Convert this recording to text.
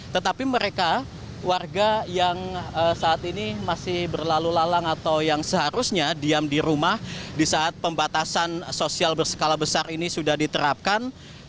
tetapi mereka warga yang saat ini masih berlalu lalang atau yang seharusnya diam di rumah di saat pembatasan sosial berskala besar ini sudah diterapkan